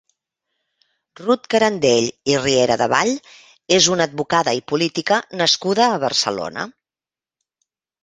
Rut Carandell i Rieradevall és una advocada i política nascuda a Barcelona.